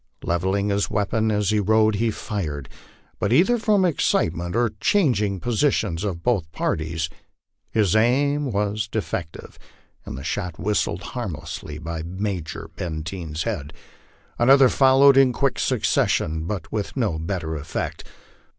Levelling his weapon as he rode, he fired, but either from excitement or the changing positions of both parties, his aim was defective and the shot whistled harmlessly by Major Benteen's head. Another followed in quick succession, but with no better effect.